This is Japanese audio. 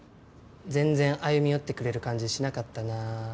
全然歩み寄ってくれる感じしなかったな。